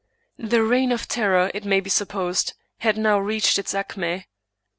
The reign of terror, it may be supposed, had now reached! its acme.